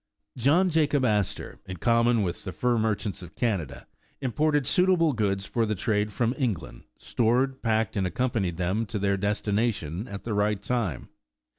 John Jacob Astor, in common with the fur merchants of Canada, imported suitable goods for the trade from England, stored, packed and accompanied them to their destination at the right time.